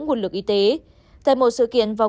nguồn lực y tế tại một sự kiện vào